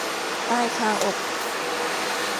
ตายคาอก